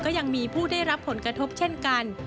ก็ยังมีผู้ได้รับผลกระทบเช่นกัน